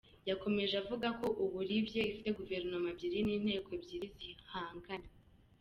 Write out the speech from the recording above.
Yakomeje avuga ko ubu, Libye ifite Guverinoma ebyiri n’ inteko ebyiri zihanganye.